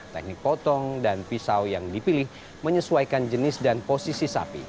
teknik potong dan pisau yang dipilih menyesuaikan jenis dan posisi sapi